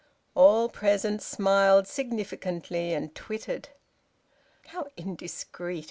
All present smiled significantly, and tittered. "How indiscreet!"